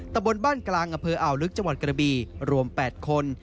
ตะบนบ้านกลางอำเภออ่าวลึกจังหวัดกระบีรวม๘คน